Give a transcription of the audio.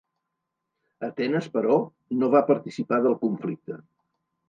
Atenes, però, no va participar del conflicte.